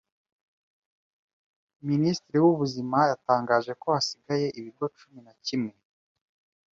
Minisitiri w’Ubuzima yatangaje ko hasigaye ibigo cumi na kimwe